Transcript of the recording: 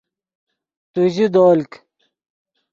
تو ژے دولک